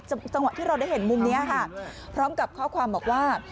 จังหวะที่เราได้เห็นมุมนี้ค่ะพร้อมกับข้อความบอกว่า